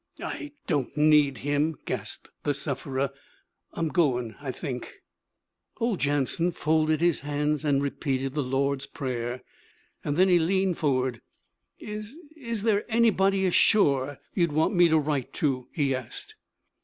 'I don't need him,' gasped the sufferer. 'I'm goin', I think.' Old Jansen folded his hands, and repeated the Lord's Prayer. Then he leaned forward. 'Is is there anybody ashore you'd want me to write to?' he asked.